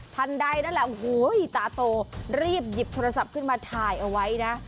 ทันใดนั่นแหละโอ้โหตาโตรีบหยิบโทรศัพท์ขึ้นมาถ่ายเอาไว้นะ